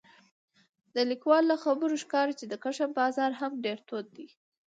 د لیکوال له خبرو ښکاري چې د کشم بازار هم ډېر تود دی